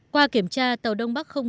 qua kiểm tra tàu đông bắc một